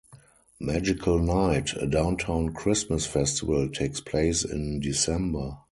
Magical Night, a downtown Christmas festival, takes place in December.